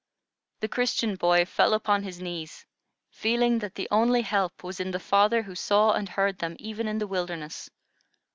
The Christian boy fell upon his knees, feeling that the only help was in the Father who saw and heard them even in the wilderness.